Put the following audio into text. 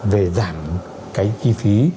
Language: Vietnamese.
về giảm cái chi phí